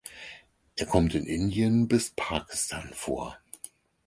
Er kommt in Indien bis Pakistan vor.